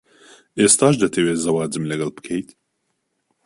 ئێستاش دەتەوێت زەواجم لەگەڵ بکەیت؟